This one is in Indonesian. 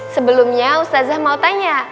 sebelumnya ustadzah mau tanya